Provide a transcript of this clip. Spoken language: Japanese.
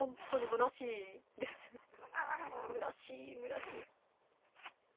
むなしいむなしい。